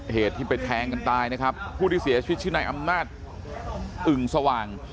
เหตุที่ไปแทงกันตายนะครับผู้ที่เสียชีวิตชื่อนายอำนาจอึ่งสว่าง